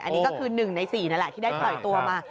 อันนี้ก็คือ๑ใน๔นั่นแหละที่ได้ปล่อยตัวมา